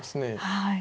はい。